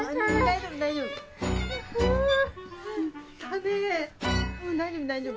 大丈夫大丈夫。